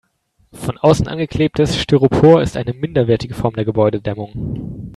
Von außen angeklebtes Styropor ist eine minderwertige Form der Gebäudedämmung.